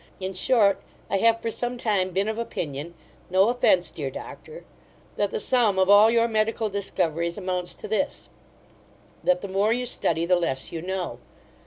In short, I have for some time been of opinion (no offence, dear Doctor) that the sum of all your medical discoveries amounts to this, that the more you study the less you know.